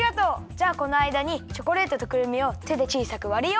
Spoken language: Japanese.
じゃあこのあいだにチョコレートとくるみをてでちいさくわるよ！